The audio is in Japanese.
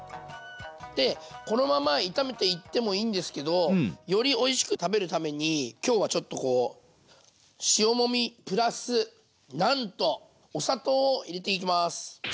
でこのまま炒めていってもいいんですけどよりおいしく食べるために今日はちょっとこう塩もみプラスなんとお砂糖を入れていきます。